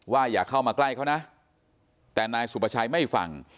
อย่าเข้ามาใกล้เขานะแต่นายสุประชัยไม่ฟัง